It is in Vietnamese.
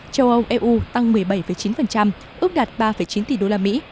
châu âu eu tăng một mươi bảy chín ước đạt ba chín tỷ usd